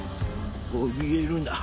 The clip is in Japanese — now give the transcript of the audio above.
おびえるな。